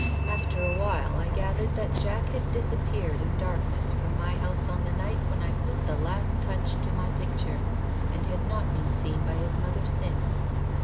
After a while I gathered that Jack had disappeared in darkness from my house on the night when I put the last touch to my picture, and had not been seen by his mother since.